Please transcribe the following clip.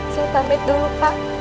silahkan tamit dulu pak